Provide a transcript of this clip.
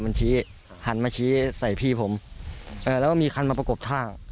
มันชี้หันมาชี้ใส่พี่ผมเอ่อแล้วก็มีคันมาประกบข้าง